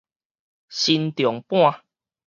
伸杖阪